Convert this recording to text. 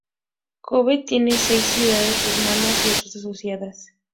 Kobe tiene seis ciudades hermanas y otras asociadas.